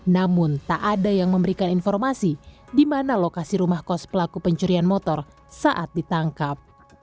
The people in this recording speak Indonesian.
namun tak ada yang memberikan informasi di mana lokasi rumah kos pelaku pencurian motor saat ditangkap